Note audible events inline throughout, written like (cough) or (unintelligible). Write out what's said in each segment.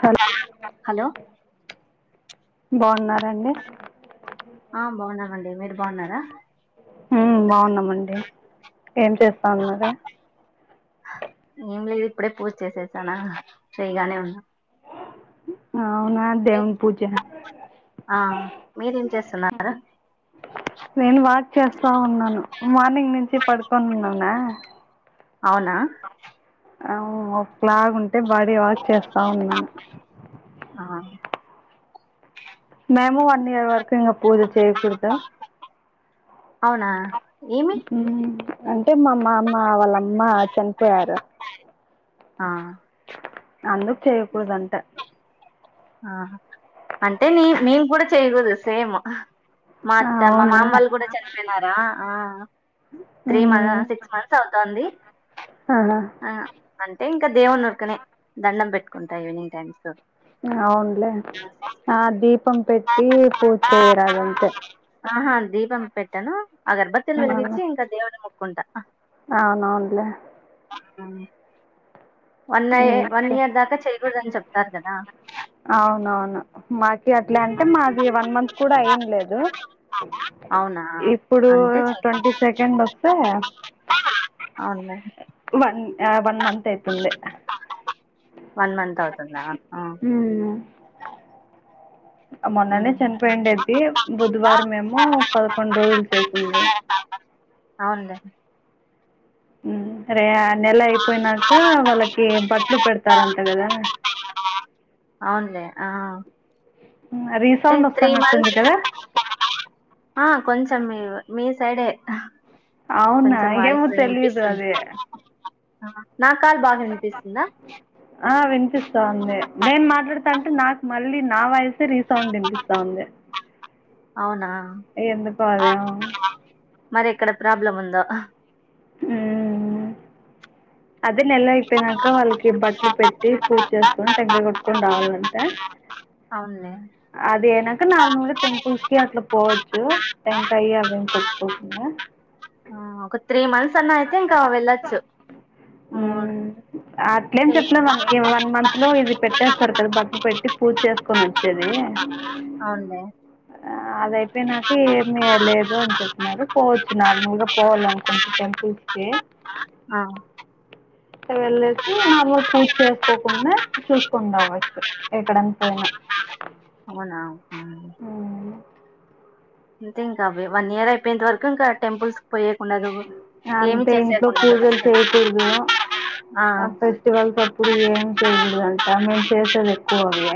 Hello hello బాన్నార అండి ఆ బాగున్నామండి మీరు బాగున్నారా హమ్ బాగున్నామండి ఏం చేస్తా ఉన్నరు ఏం లేదు ఇప్పుడే పూజ చేసేత్తనా చేయగానే ఉన్నా అవునా దేవుని పూజ ఆ మీరేం చేస్తున్నారు నేను వాక్ చేస్తా ఉన్నాను మార్నింగ్ నుంచి పడుకోని ఉన్నానే అవునా ఆ ఒకలాగు ఉంటే బాడీ వాష్ చేస్తా ఉన్నా ఆ మేము వన్ ఇయర్ వరకు ఇంగ పూజ చేయ్యకూడదు అవునా ఏమి ఉ అంటే మా మామ్మ వాళ్ళమ్మ చనిపోయారు. ఆ అందుకు చేయకూడదంట ఆ అంటే నీ నేను కూడా చేయకూదు సేమ్ ఆ, మాత్త మా అవునా మామ వాళ్ళు కూడా చనిపోయినారా ఆ త్రీ మ ఉమ్ సిక్స్ మంత్స్ అవుతాంది అవునా ఆ అంటే ఇంకా దేవుని నూరికనే దండం పెట్టుకుంటా ఈవినింగ్ టైమ్స్ అవునులే ఆ దీపం పెట్టి పూజ చెయ్యరాదంతే ఆహా దీపం పెట్టను ఆగర్భత్తిలు వెలిగించి ఇంకా దేవుడిని మొక్కుంటా అవును అవునులే అ వన్ ఎ వన్ ఓకే ఇయర్ దాకా చేయకూడదని చెప్తారు కదా అవునవును మాకి అట్ల అంటే అవు- మాది వన్ మంత్ కుడా అయ్యింలేదు అవునా ఇప్పుడు అంటే చెప్పు ట్వంటీ సెకండ్ ఒస్తే అవునులే వన్ యా వన్ మంతైతుంది. వన్ మంతౌతుందా ఆ. మొన్ననే ఉమ్. చనిపోయిండేది బుధువారం ఎమో పదకొండ్రోజులు చేసింది. అవున్లే. హ్మ్ రే ఆ నెలైపోయినాక వాళ్ళకి బట్ట్లు పెడతారంట గదా. అవున్లే ఆ. హ్మ్ రీసౌండ్ వస్తనట్టుంది గదా. ఆ కొంచం మీ మీ సైడే. అవునా కొంచెం ఏమో వాయిస్ తెలీదు వినిపిస్తుంది. అది నా కాల్ బాగా వినిపిస్తుందా. ఆ వినిపిస్తా ఉంది నేన్ మాట్లాడతాంటే నాకు మళ్ళీ నా వాయసే రీస్. సౌండ్ ఇనిపిస్త ఉంది. అవునా. ఎందుకో అది ఆ. మరెక్కడ ప్రాబ్లముందో. హ్మ్ మ్మ్. అదే నెలైపోయినాక వాళ్ళకి బట్ట్లు పెట్టి పూచేసుకొని టెంకాయ గొట్టు. కొని రావాల్నంటా. అవున్లే. అది అయినాక నార్మల్గా టెంపుల్స్ కి అట్ల పోవొచ్చు. టెంకాయి అవేం కొట్టుకోకుండా. ఆ ఒక. త్రీ మంత్స్ అన్నా అయితే ఇంక వెళ్ళచ్చు మూడు (unintelligible) ఈ వన్ మంత్లో ఇది పెట్టేస్తారు కదా బట్లు పెట్టి పూచేసుకొనొచ్చేది. అవునులే అదైపోయినాకీ. హ్మ్ ఏ లేదు అని చెప్తున్నారు పోవచ్చు నార్మల్గా పోవాలనుకుంటే టెంపుల్స్ కి. హా. ఏ వెళ్లెసి నార్మల్ పూజ్ చేసుకోకుండా చూసుకొన్ రావచ్చు. ఎక్కడన్ పోయినా. అవునా హ్మ్. హ్మ్. ఇంతే ఇంకా అవి వన్ ఇయర్ అయిపోయెంత వరకు ఇంకా టెంపుల్స్. పోయెకుండదు ఏమి అంతే ఇంట్లో చేసేకుండదు. ఆ ఫెస్టివల్స్ అప్పుడు ఏం చేయగూడదంట మేము చేసేదెక్కువదే.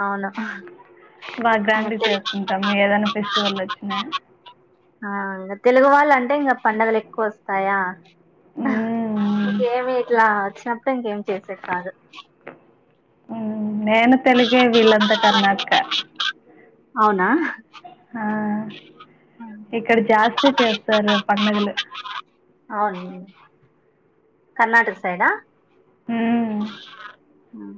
అవున అవును. బా ఇంగ గ్రాండ్ తెలు చేసుకుంటాం ఏదైనా ఫెస్టివల్లొచ్చినా. ఆ ఇంగ తెలుగు వాళ్ళంటే ఇంగా పండగలె. క్కు వస్తాయా ఉమ్. ఇంకేమి ఇట్లా వచ్చినప్పుడు ఇంకేమి చేసేది కాదు. మ్మ్ నేను తెలుగే వీళ్ళంతా కర్ణాట్క. అవునా. హా ఉమ్. ఇక్కడ జాస్తి చేస్తారు పండగలు. అవును కర్ణాటక సైడా. ఉమ్. హ్మ్.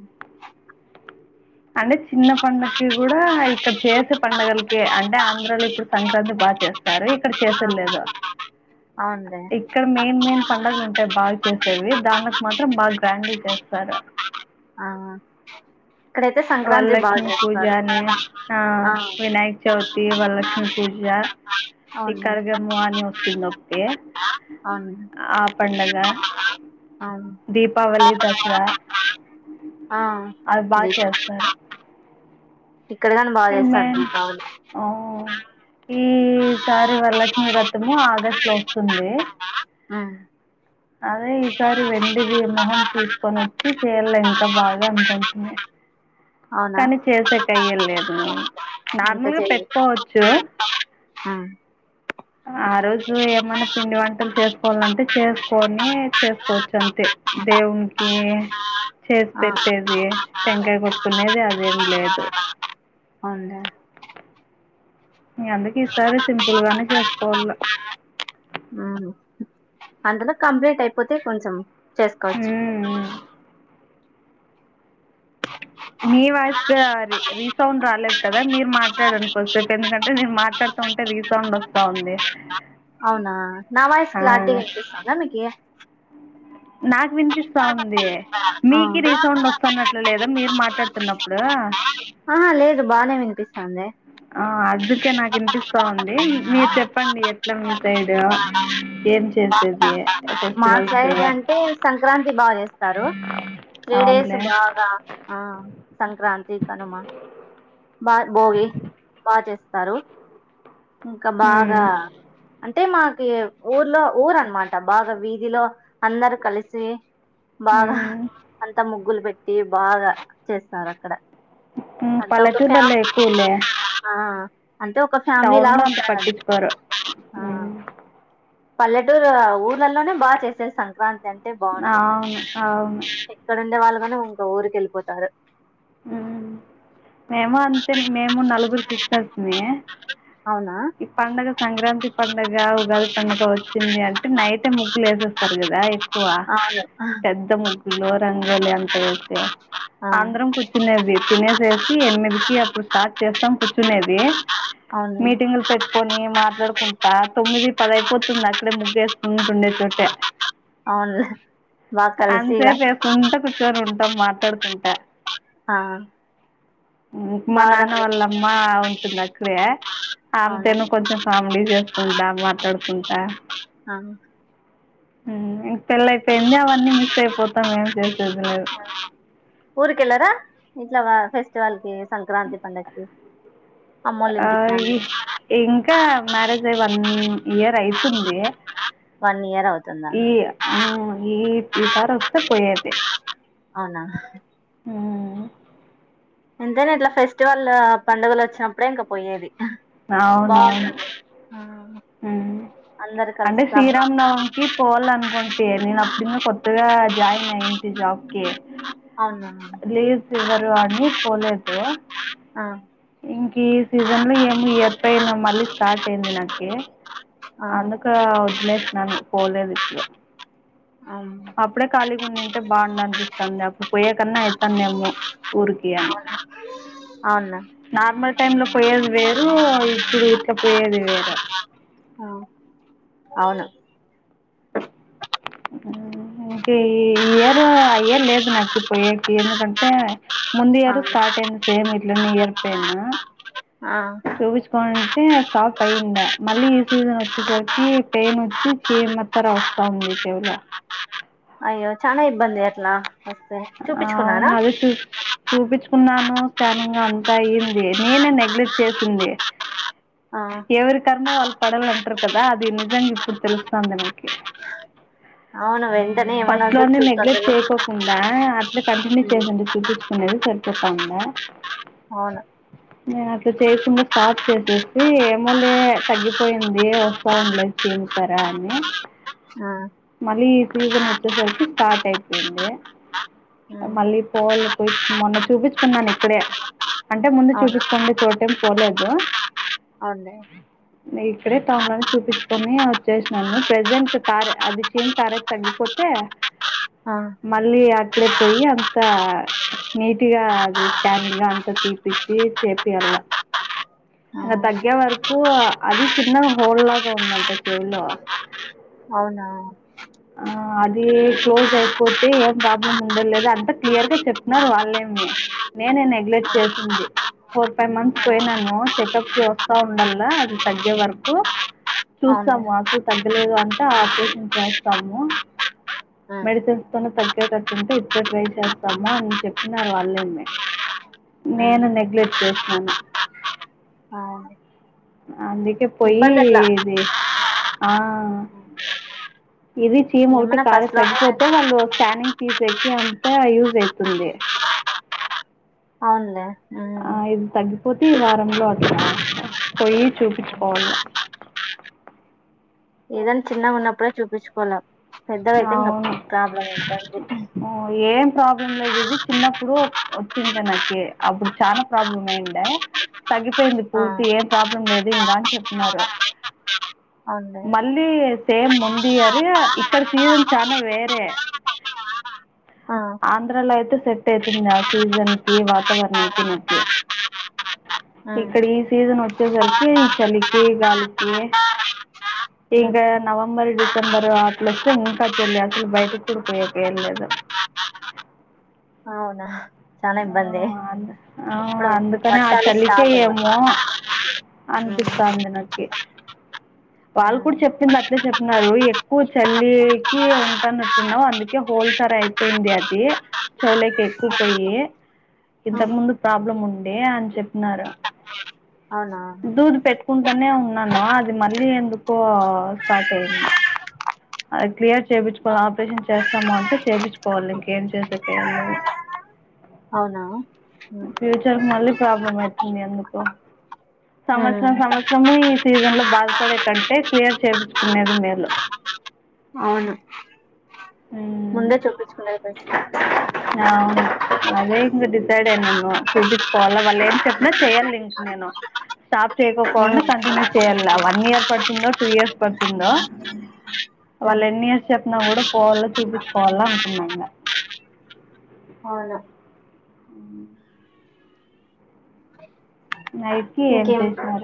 అంటే చిన్న పండక్కి గూడా ఇక్కడ చేసే పండగల్కి అంటే ఆంధ్రాలో ఇప్పుడు. సంక్రాంతి బాగా చేస్తారు ఇక్కడ చేసేద్ అవును లేదు అవునులే ఇక్కడ మెయిన్ మెయిన్ పండుగలుంటయి బాగా చేస్ సేది దాన్లక్ మాత్రం బాగా గ్రాండ్ చేస్తారు. ఆ ఇక్కడైతే సంక్రాంతి బాగా వరలక్ష్మి పూజ చేస్తారు అనీ ఆ వినాయక్ చవితి, వరలక్ష్మి పూజ ఈ అవునులే కర్గము అని వస్తుంద్ ఒకటీ అవును ఆ పండగా అవును దీపావళి, దసరా ఆ అది బాగా ది చేస్తారు. ఇక్కడ గాని బాగ్ చేస్తర్ దీపావళి అవ్ ఈ సారి వరలక్ష్మి వ్రతము ఆగస్ట్లో వస్తుంది. అదే ఈసారి వెండిది మొహం తీసుకొన్ వచ్చి చెయ్యల ఇంకా బాగా అనుకుంటిని. అవునా కానీ చేసేకయ్యేలేదును నార్మల్గా పెట్టుకోవచ్చు. హ ఆ రోజు ఏమన్నా పిండి వంటల్ చేస్కోవాలంటే చేసుకోనీ చేస్కోవచ్చు అంతే దేవునికీ చేస్ ఆ. పెట్టేది టెంకాయ కొట్టుకునేది అదేం లేదు. ఉందా ఇగ అందుకే ఈసారి సింపుల్గానే చేస్కోవల్ల అంతలో కంప్లీంట్ అయిపోతే కొంచం చేస్కోవచ్ మీ వాయిస్ క్లారి రీసౌండ్ రాలేద్ కదా మీర్ మాట్లాడండి కోద్దిసేప్ ఎందుకంటే నేన్ మాట్లాడ్తా ఉంటే రీసౌండ్ వస్తా ఉంది. అవునా నా వాయిస్ క్లారిటీగా ఇన్పిస్తుందా మీకీ నాక్ విన్పిస్తా ఉంది ఆ మీకి రీసౌండ్ వస్తన్నట్లు లే ద మీర్ మాట్లాడుతున్నప్పుడు ఆ లేదు బానే విన్పిస్తాందే ఆ అందుకే నాక్ ఇన్పిస్తా ఉంది మీర్ చెప్పండి ఎట్ల మీ సైడ్ ఏం చేసేది మా ఫెస్టివల్స్ సైడ్ అంటే సంక్రాంతి బాగా చేస్తారు. త్రీ డేస్ అవునులే బాగా ఆ సంక్రాంతి, కనుమ బా బోగి బాగా చేస్తారు ఇంకా బాగా ఉమ్, అంటే మాకి ఊర్లో ఊర్ అన్మాట బాగా వీధిలో అందరు కలిసి బాగా ఉమ్, అంత ముగ్ ముగ్గులు పెట్టి బాగా చేస్తార్ అక్కడ ఉమ్, అంత ఒక పల్లెటూళ్ళల్లో ఫ్యామిలీ ఎక్కువలే ఆ అంటే ఒక ఫ్యా టౌన్లో అంత పట్టిచ్కోరు. పల్లెటూర్ ఊర్లలోనే బాగా చేసేద్ సంక్రాంతి అంటే బాగుంటుంది. అవును అవును ఇక్కడ్ ఉండే వాళ్ళు గని ఇంకో ఊరికెళ్ళిపోతారు. మ్ మేము అంతే మేము నలుగురు సిస్టర్స్ మీ అవునా ఈ పండగ సంక్రాంతి పండగ, ఉగాది పండగ వచ్చింది అంటే నైటే ముగ్గుల్ ఏసేస్తారు గదా ఎక్కు వ అవును పెద్ద ముగ్గులో రంగోలి అంత ఏసి ఆ అందరం కూచ్ చునేది తినేసేసి ఎనిమిదికి అప్పుడు స్టార్ట్ చేస్తాం కూర్చునేది అవును మీటింగ్లు పెట్టుకొని మాట్లాడుకుంటా తొమ్మిది పదైపోతుంద్ అక్కడే ముగ్గుస్కుంటుండే చోటే అవును బాగా కలిసి ఇగ అంతేసేపు ఉంటా కూచ్చోని ఉంటాం మాట్లాడుకుంటా ఆ మా బాగా నాన్న రంగు- వాళ్ళమ్మ ఉంటుంది అక్కడే అవునా అంతేను కొంచం కామెడీ చేస్కుంటా మాట్లాడుకుంటా అ ఉ ఇంక పెళ్ళేపేంది అవన్నీ మిస్ అయిపోతాం ఏం చేసేది లేదు ఊరికెలరా ఇట్లా వా ఫెస్ట్ తల్కి సంక్రాంతి పండక్కి ఆ, అమ్మోలీన్టిక్ కానీ ఈ ఇంకా మ్యారేజ్ అయి వన్ ఇయర్ అయితుంది. వన్ ఇయర్ అవ్ ఈ ఆ ఈ ఈ సారి ఒస్తే పోయేదే అవునా ఉ అందరు అట్లా ఫెస్టివల్ ఆ పండుగలు ఒచ్చినప్పుడే ఇంక పోయేది అవునవును బాగుంటది ఉ అందరక అంటే సిరాం నవంకి పోవాలన్కుంటే నేను అప్పుడు ఇంగ కొత్తగా జాయిన్ అయింది జాబ్కి అవునా లీవ్ ఇవ్వరు అని పోలేదు ఆ ఇంకిసజన్ లో ఏమో ఎప్పెన మళ్ళీ స్టార్ట్ అయింది నాకి ఆ అను కా ఒద్లేష్నాను పోలేదు ఇప్పుడు అవును అప్పుడే ఖాళీగున్నింటే బావున్ అన్పిస్తంది పోయే కన్నా ఎత్తందేమో ఉరుకేయని అవున్న నార్మల్ టైమ్ లో పోయేది వేరూ ఇప్పుడు ఇట్లా పోయేది వేరు అవున ఇంకా ఈ ఈయరు అయ్యర్ లేదు నాకీ పోయేకి ఎందుకంటే ముందు ఆ ఇయరు స్టార్ట్ అయింది సేమ్ ఇట్లనే ఇయర్ పెనా ఆ చూపించుకో అంటే స్టాప్ అయ్యింద మళ్ళీ ఈ సీజన్ ఒచ్చేసరికి పెయిన్ ఒచ్చి చిరన ఇత్తర వస్స ఉంది చెవులో అయ్యో చనా ఇబ్బంది అట్లా వస్తే చూపించుకున్నారా అవును అదే చూ చూపించుకున్నాను స్కానింగ్ అంత అయ్యింది నేనే నెగ్లెక్ట్ చేసింది. ఆ ఎవరి కర్మవాళ్ళు పడాల అంట్ర కదా అది నిజంగా ఇప్పుడు తెలుస్తాంది నాకి అవును వెంటనే ఏమన్నా వస్తే ఫస్ట్లోనే చూస్తాను నెగ్లెక్ట్ చేయికోడ్దు తా అట్లే కంటిన్యూ చేసింది చూపించుకునేది సరిపోతా ఉందా అవును నేను అట్లా చేయకుండా సాఫ్ చేసేసి ఏమోలే తగ్గిపోయింది వోస్ సౌండ్ల చింముతారా అని ఆ మళ్ళీ ఈ సీజన్ ఒచ్చేసరికి స్టార్ట్ అయిపెంది ఉమ్ మళ్ళీ పోల పోయి మొన్న చూపించుకున్నాను ఇక్కడే అంటే ముందు అవునా చూపించకోండి చోటెం పోలేదు అవునే ఇక్కడే టౌన్ లోనే చూపిచ్చుకొని వచ్చేసినాను ప్రజెంట్ కార్ అది చేమ్ కారే తగ్గిపోతే ఆ మళ్ళీ అక్కడే పోయి అంత నీట్గా అది స్కానింగ్ అంతా తీపిచ్చి చేపియ్యాల ఆ ఇక తగ్గే వరకు ఆ అది చిన్నగ హోల్ లాగా ఉందంట చెవులో అవునా ఆ అది క్లోజ్ అయిపోతే ఏం ప్రాబ్లం ఉండలేదు అంతా క్లియర్ గా చెప్పినారు వాళ్ళేమి నేనే నెగ్లెక్ట్ చేసింది. ఫోర్, ఫైవ్ మంత్స్ ఆ, పోయినాను చెకప్ కి వస్తా ఉండల్లా, అది తగ్గే వరకు అవునులే చూస్తాము అసలు తగ్గలేదు అంటే ఆపరేషన్ చేస్తాము. ఉమ్ మెడిసిన్స్ తోనే తగ్గేటట్టు ఉంటే ఇద్దే ట్రై చేస్తాము అని చెప్పినారు వాళ్ళేమే నేను ఉమ్ నెగ్లెక్ట్ చేసినాను, అవును అందు కే పొయ్యి ఇబ్బంది అట్లా ఇది ఆ ఇది చీమ్ ఒకటి ఏమన్నా కారె ఫస్ట్ లో తగ్గిపోతే వాళ్ళు స్కానింగ్ తీసేకి అంత యూజ్ ఐతుంది. అవునులే ఉమ్ ఆ ఇది తగ్గిపోతే ఈ వారంలో అట్ల పోయి చూపించుకోవాల్ల ఏదన్న చిన్నగున్నప్పుడే చూపించుకోల పెద్దగయితే ఇంగ ప్రాబ్లమ్ ఉ ఉమ్ ఏం ప్రాబ్లం లేదు ఇది చిన్నప్పుడు వచ్చింటె నాకి అప్పుడు చాలా ప్రాబ్లం అయ్యండే తగ్గిపోయింది ఆ పూర్తి ఏం ప్రాబ్లం లేదు ఇంకా అని చెప్తున్నారు. అవునులే మళ్ళీ సేమ్ ముంది అరి ఇక్ ఇక్కడ సీజన్ చానా వేరే ఆ ఆంధ్రాలో అయితే సెట్ అయితుందా సీజన్ కి వాతావరణంకి నాకి ఉమ్ ఇక్కడీ సీజన్ వచ్చేసరికి ఈ చలికి గాలికి ఈ ఉమ్ ఇంకా నవంబర్, డిసెంబర్ ఆట్లో ఇంకా చెల్లి అసలు బయటకు కూడ పోయే పేయలేదు అవునా చానా ఆ ఇబ్బందే ఆ ఇప్పుడు అందుకనే ఆ వర్షాలు చలికే స్టార్ట్ ఇంగ ఏమో అనిపిస్తాంది నకి వాళ్ళు కూడ మ్మ్ చెప్పింది అట్లే చెప్పినారు, ఎక్కువ చల్లీకి ఉంటాన్నట్టు న్నావు అందుకే హోల్ తర అయిపోయింది అది, చవులేకి ఎక్కువ పోయి మ్మ్ ఇంతకు ముందు ప్రాబ్లం ఉండే అని చెప్పినారు అవునా దూది పెట్టుకుంటనే ఉన్నానా అది మళ్ళీ ఎందుకో స్టార్ట్ అయింది. అది క్లియర్ చేపించుకోవాలి ఆపరేషన్ చేస్తాము అంటే చేపించుకోవాలి ఇంకేం చేసేకేం లేదు అవునా మ్మ్ ఫ్యూచర్ మళ్లీ ప్రాబ్లమ్ అయితుంది అందుకు సంవత్సరం సంవత్సరము ఈ సీజన్ లో బాధపడే కంటే క్లియర్ చేపించుకునేది మేలు అవును ఉమ్ ముందే చూపిచ్చుకునేది బెస్ట్ ఆ అవును అదే ఇంగ డిసైడ్ అయి నన్ను చూపించుకోవాల్లా వాళ్ళు ఏం చెప్పినా చెయ్యాలి ఇంక నేను. స్టాప్ చేయకోకుండా మ్మ్ కంటిన్యూ చేయల్లా వన్ ఇయర్ పడుతుందో, టూ ఇయర్స్ పడుతుందో మ్మ్ వాళ్ళేన్నియర్స్ చెప్పినా గుడ పోవాల్ల చూపించుకోవాల్ల అనుకున్నా ఇంగ అవును (unintelligible) (inaudible) నైట్కి ఏం ఇంకేం చేసినార.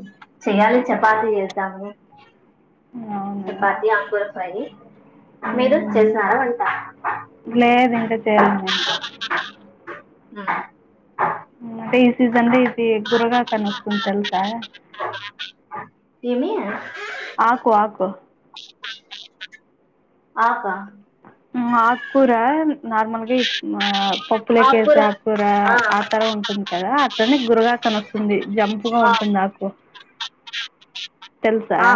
(inaudible) చెయ్యాలి చపాతి చేద్దామని అవునా చపాతి ఆకూర ఫ్రై. మీరు చేసినార వంట. లేద్ ఇంకా చేయలే మేము. (unintelligible) అంటే ఈ సీజన్దే ఇది గురగాఆకు వస్తుంది తెల్సా. ఏమీ ఆకు ఆకు ఆకా మా ఆకూర నార్మల్గా ఈ పప్పులే ఆకుకూర కేసే ఆకు. కూర ఆ తర ఉంటుంది కదా అట్లనే గురగాఆకు అనివస్తుంది జంపుగా ఆ ఉంటుంది ఆకు. (inaudible) తెల్సా ఆ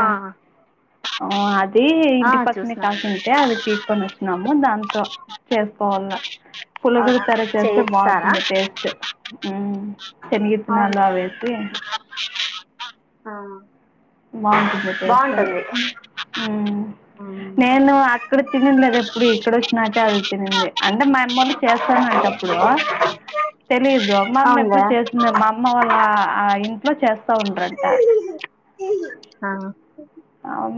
హ్మ అది ఆ ఇంటి పక్కనే చూసినాను కాసింటే అది పీ. కొని వచ్చినాము దాంతో చేసుకోవాల. పులగూర అవునా తర చేస్తే చేస్తారా బాగుంటుంది టేస్ట్. అవును చెనిగిత్తినాలు అవి వేసి. ఆ బాగుంటుంది టేస్ట్ ఉం బాగుంటుంది ఉమ్. నేను. అక్కడ తినింది లేదు ఎప్పుడు ఇక్కడ వచ్చినాకే అది తినింది అంటే మా అమ్మెళ్ళు చేస్తానంటప్పుడు. తెలీదు అమమ్మ ఎప్పుడు అవునులే చేస్తుంది మా అమ్మ వాళ్ళ ఆ ఇంట్లో చేస్తా ఉండ్రంట. ఆ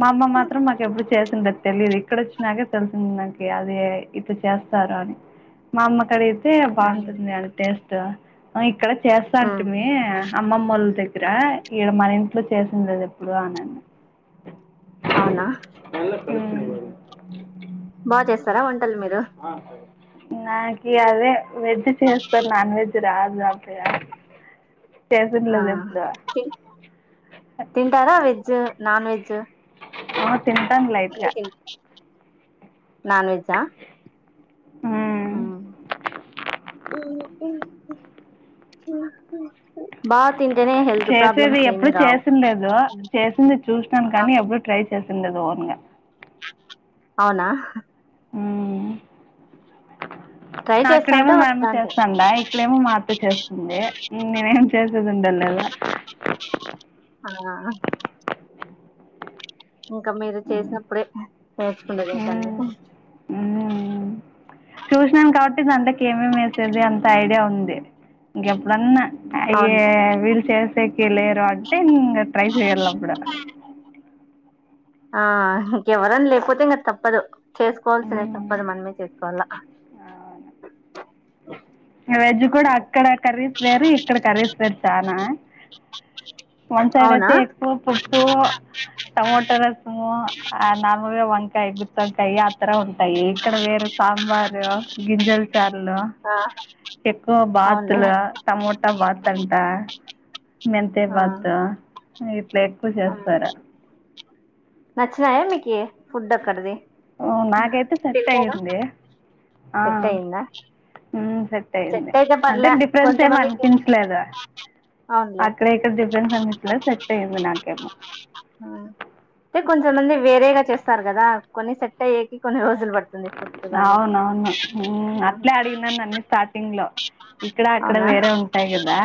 మా ఆమ్మ మాత్రం మాకు ఎప్పుడు చేసిండేది తెలీదు ఇక్కడ వచ్చినాకే తెలిసింది నాకి అది. ఇట్ల చేస్తారు అని మా అమ్మకడిగితే ఆ బాగుంటుంది అని టేస్ట్. ఆ ఇక్కడ చేస్తాఉంటి ఉమ్ మీ. అమ్మమొల దగ్గర ఈడ మన ఇంట్లో చేసిందిద ఎప్పుడు అనిన్న. అవునా మెల్లగ్ కల్పుకోవాలి. బాగ్ చేస్తారా వంటలు మీరు. ఆసర్ నాకీ అదే వెజ్ చేస్తాను నాన్ వెజ్ రాదు అంతగా. చేసింది ఆ లేదు ఎప్పుడు. తి- తింటారా వెజ్ నాన్ వెజ్. ఆ తింటాన్‌ లైట్గా నాన్వెెజ్జా హ్మ్ ఆ (unintelligible) చేసేది ఎప్పుడు రావు చేసిండ్న లేదు చేసింది చూసినాను కానీ ఎప్పుడు ట్రై. చేసిండను ఓన్గా. అవునా మ్మ్ ట్రై అక్కడేమో చేస్తాంటే మా అమ్మ వస్తాంటాయి చేస్తాండా ఇక్కడేమో మా అత్త చేస్తుంది నేనే ఏమి చేసేది ఉండ లేదు. ఆ ఇంకా మీరు కదా చేసినప్పుడే నేర్చుకుండేది ఇంక అన్ని మ్మ్ హా చూసినాను కాబట్టి దాంట్లోకి ఏమేమి ఏసేది అంత ఐడియా ఉంది ఇంకెప్పుడన్నా అయే అవును వీళ్ళు చేసేకి లేరు అంటే ఇంగ ట్రై చెయ్యాల్నప్పుడు ఆ ఇంకెవరనా లేకపోతే ఇంకా తప్పదు చేసుకోవాల్సినవి హ్మ్. తప్పదు మనమే చేసుకోవాల అవును ఇంగ వెజ్ కూడా అక్కడ కర్రీస్ వేరు ఇక్కడ కర్రీస్ వేరు చానా వన్ సైడ్ అవునా అయితే ఎక్కువ పప్పు టమోటా రసము ఆ నార్మల్గా వంకాయ మొత్తంకయాత్రా ఉంటాయి ఇక్కడ వేరు సాంబారు గింజలు చార్లు ఆ ఎక్కువ బాతులు టమోటా బాతు అంటా మెంతే ఆ బాత్ ఇట్లా ఎక్కువ చేస్తారా నచ్చినాయా మీకీ ఫుడ్ అక్కడిది నాకైతే సెట్ అయింది సెట్టయిందా అయ్యింది సెట్ అయితే అంటే పర్లా డిఫరెన్స్ ఏమి కొంచమంది అనిపించలేదు (inaudible) అవునులే (unintelligible) అనిటిలో సెట్యంది నాకేమ్మో అయితే కొంచంమంది వేరేగా చేస్తారు కదా కొన్ని సెట్ అయ్యేకి కొన్ని రోజులు పట్ అవునవును అట్లే అడిగినారు నన్ని స్టార్టింగ్ లో ఇక్కడ అక్కడ అవునా వేరే ఉంటాయి కదా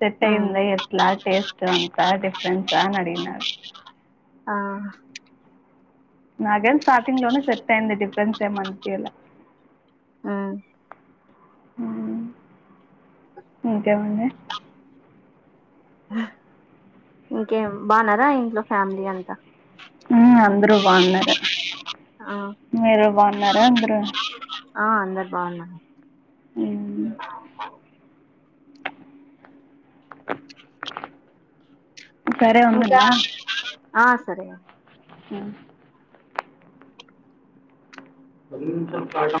సెట్ ఉమ్, అయింది ఎట్లా టేస్ట్ ఇంకా డిఫరెన్సా అని అడిగినాను ఆ నాకేం స్టార్టింగ్ లోనే సెట్ అయింది డిఫరెన్స్ ఏం అనిపియలా హ్మ్ హ్మ్ ఇంకేమండి ఇంకేం బాన్నారా ఇంట్లో ఫ్యామిలీ అంతా హ్మ్ అందరూ బాగున్నారు ఆ మీరు బాగున్నారా అందరూ ఆ అందరు బాగున్నారు హ్మ్ సరే ఉందునా ఆ సరే హ్మ్ పది స్